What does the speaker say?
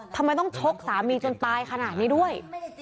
ทำไมต้องชกสามีจนตายขนาดนี้ด้วย